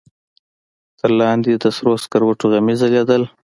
تر لاندې د سرو سکروټو غمي ځلېدل.